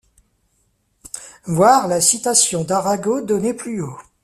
Voir la citation d'Arago donnée plus haut.